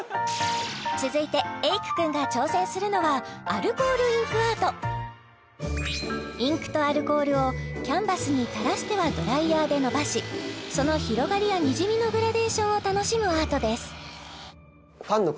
続いてインクとアルコールをキャンバスに垂らしてはドライヤーで伸ばしその広がりやにじみのグラデーションを楽しむアートです